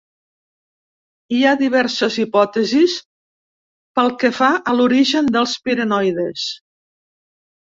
Hi ha diverses hipòtesis pel que fa a l'origen dels pirenoides.